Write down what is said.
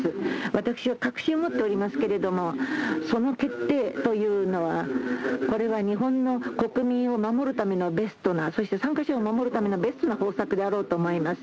私は確信を持っておりますけれども、その決定というのは、これは日本の国民を守るためのベストな、そして参加者を守るためのベストな方策であろうと思います。